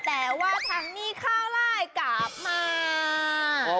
แต่ว่าทางนี้ข้าวไล่กลับมา